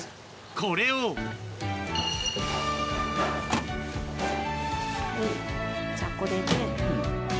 これをじゃあこれで。